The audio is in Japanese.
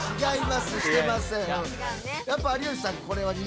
やっぱ有吉さん